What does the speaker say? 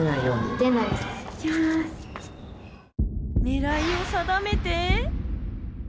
ねらいを定めて。